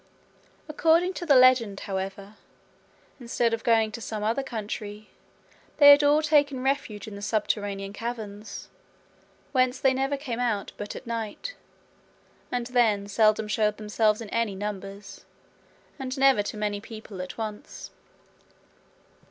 According to the legend, however, instead of going to some other country, they had all taken refuge in the subterranean caverns, whence they never came out but at night, and then seldom showed themselves in any numbers, and never to many people at once.